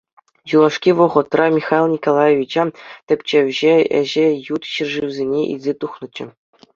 Юлашки вӑхӑтра Михаил Николаевича тӗпчевҫӗ ĕçĕ ют ҫӗршывсене илсе тухнӑччӗ.